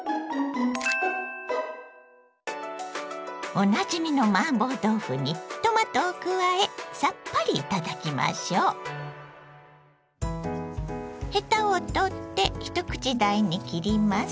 おなじみのマーボー豆腐にトマトを加えさっぱり頂きましょう。ヘタを取って一口大に切ります。